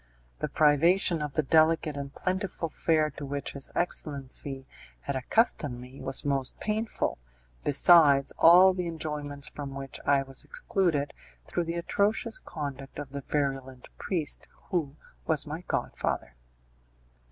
The privation of the delicate and plentiful fare to which his excellency had accustomed me was most painful, besides all the enjoyments from which I was excluded through the atrocious conduct of the virulent priest, who was my godfather.